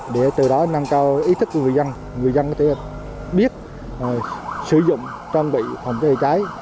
để từ đó nâng cao ý thức của người dân người dân có thể biết sử dụng trang bị phòng cháy cháy